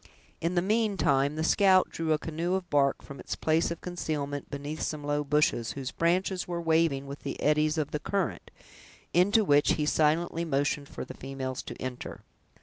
In the meantime, the scout drew a canoe of bark from its place of concealment beneath some low bushes, whose branches were waving with the eddies of the current, into which he silently motioned for the females to enter.